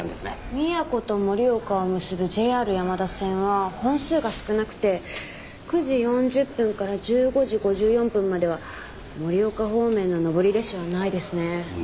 宮古と盛岡を結ぶＪＲ山田線は本数が少なくて９時４０分から１５時５４分までは盛岡方面の上り列車はないですね。